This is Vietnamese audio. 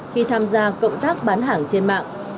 khi tham gia cộng tác bán hàng trên mạng